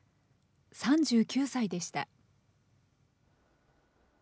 ３９歳でした。